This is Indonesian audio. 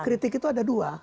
kritik itu ada dua